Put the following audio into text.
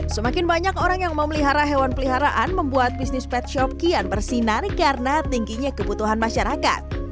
semakin banyak orang yang memelihara hewan peliharaan membuat bisnis pet shop kian bersinar karena tingginya kebutuhan masyarakat